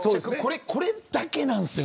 これだけなんですよ